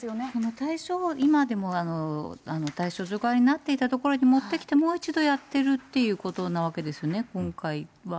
対象、今でも、対象除外になっていたところにもってきて、もう一度やってるっていうことなわけですよね、今回は。